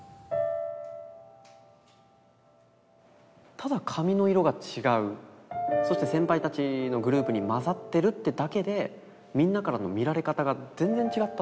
ただ髪の色が違うそして先輩たちのグループに混ざってるってだけでみんなからの見られ方が全然違ったんですよ。